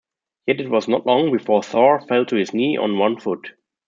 Yet it was not long before Thor fell to his knee, on one foot.